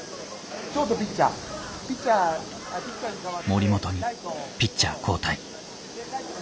森本にピッチャー交代。